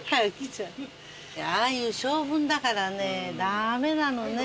ああいう性分だからねダメなのね。